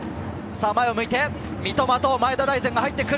前を向いて、三笘と前田大然が入ってくる！